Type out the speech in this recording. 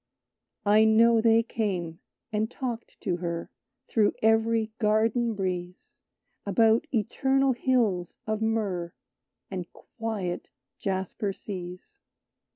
"I know they came, and talked to her, Through every garden breeze, About eternal Hills of Myrrh, And quiet Jasper Seas.